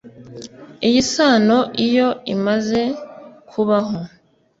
iyo sano iyo imaze kubaho